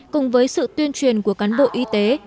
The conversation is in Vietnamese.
cùng với sự tuyên truyền của cán bộ y tế